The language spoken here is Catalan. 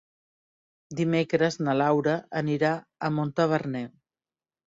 Dimecres na Laura anirà a Montaverner.